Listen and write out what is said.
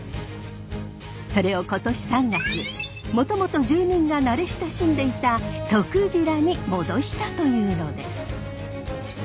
それを今年３月もともと住民が慣れ親しんでいた「Ｔｏｋｕｊｉｒａ」に戻したというのです。